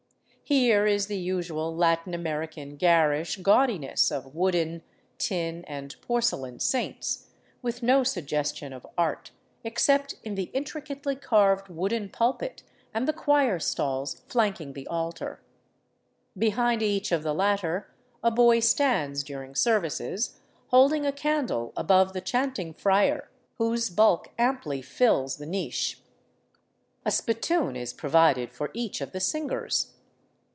Here is the usual Latin xA.merican garish gaudiness of wooden, tin, and porcelain saints, with no suggestion of art, except in the intricately carved wooden pulpit and the choir stalls flanking the altar. Behind each of the latter a boy stands during services, holding a candle above the chanting friar whose bulk amply fills the niche. A spittoon is provided for each of the singers.